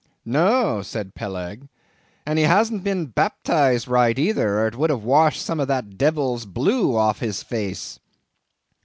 "No," said Peleg, "and he hasn't been baptized right either, or it would have washed some of that devil's blue off his face."